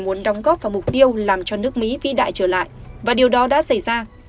muốn đóng góp vào mục tiêu làm cho nước mỹ vĩ đại trở lại và điều đó đã xảy ra